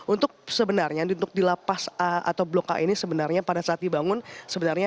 untuk sebenarnya untuk di lapas a atau blok a ini sebenarnya pada saat dibangun sebenarnya